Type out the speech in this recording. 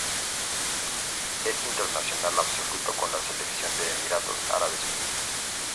Es internacional absoluto con la selección de Emiratos Árabes Unidos.